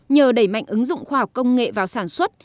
nhờ đẩy mạnh ứng dụng khoa học công nghệ vào sản xuất